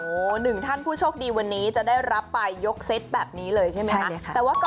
โอ้โหหนึ่งท่านผู้โชคดีวันนี้จะได้รับไปยกเซตแบบนี้เลยใช่ไหมคะ